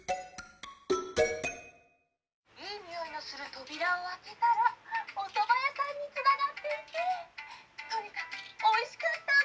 「いいにおいのする扉を開けたらおそば屋さんにつながっていてとにかくおいしかったんだ」。